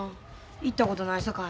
行ったことないさかい。